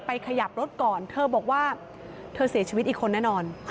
ขยับรถก่อนเธอบอกว่าเธอเสียชีวิตอีกคนแน่นอน